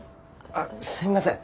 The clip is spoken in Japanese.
あっすいません。